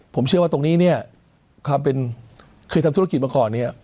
เพราะตรงนี้เนี่ยเคยทำธุรกิจมาก่อนเนี่ย